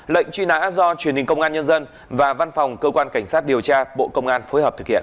lệnh truy nã do truyền hình công an nhân dân và văn phòng cơ quan cảnh sát điều tra bộ công an phối hợp thực hiện